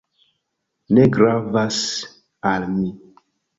Ne gravas al mi.